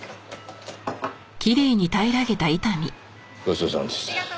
ごちそうさまでした。